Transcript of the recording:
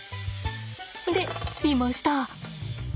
でいました。